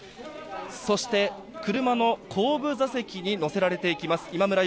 そして、車の後部座席に乗せられていきます。